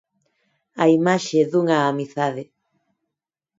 A imaxe dunha amizade.